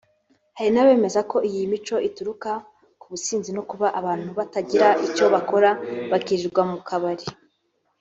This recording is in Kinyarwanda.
Hari n’abemeza ko iyi mico ituruka ku businzi no kuba abantu batagira icyo bakora bakirirwa mu kabari